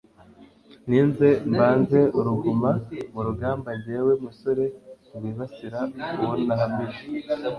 ninze mbanze uruguma mu rugamba jyewe musore rwibasira uwo nahamije